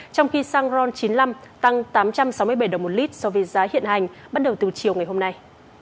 trong khi xăng ron chín mươi năm tăng tám trăm sáu mươi bảy đồng một lít so với giá hiện hành bắt đầu từ chiều ngày hôm nay